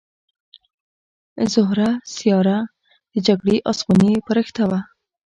زهره سیاره د جګړې اسماني پرښته وه